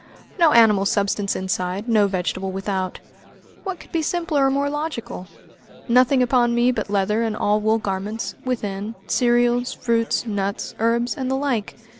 No animal substance inside, no vegetable without; what could be simpler or more logical? Nothing upon me but leather and allwool garments, within, cereals, fruit, nuts, herbs, and the like.